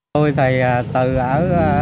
tôi thì từ ở